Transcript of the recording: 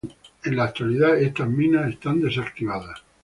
En la actualidad, estas minas están desactivadas.